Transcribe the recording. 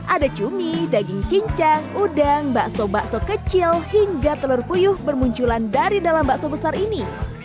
ada cumi daging cincang udang bakso bakso kecil hingga telur puyuh bermunculan dari dalam bakso besar ini